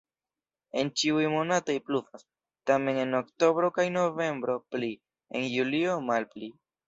En ĉiuj monatoj pluvas, tamen en oktobro kaj novembro pli, en julio malpli.